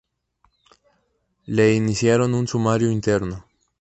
Le iniciaron un sumario interno.